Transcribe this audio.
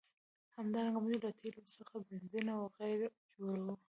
همدارنګه موږ له تیلو څخه بنزین او قیر جوړوو.